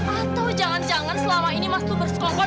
atau jangan jangan selama ini mas itu berskongkol